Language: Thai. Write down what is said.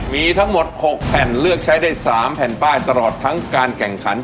มีทั้งหมด๖แผ่นเลือกใช้ได้๓แผ่นป้ายตลอดทั้งการแข่งขัน